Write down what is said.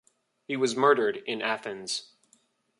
He was murdered in Athens.